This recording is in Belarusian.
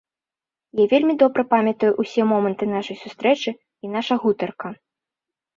Я вельмі добра памятаю ўсе моманты нашай сустрэчы і наша гутарка.